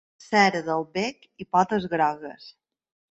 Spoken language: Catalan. Cera del bec i potes grogues.